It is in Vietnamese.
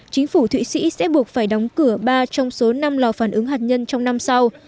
chính phủ thụy sĩ sẽ buộc phải đóng cửa ba trong số năm lò phản ứng hạt nhân trong năm sau